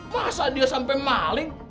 masa dia sampai maling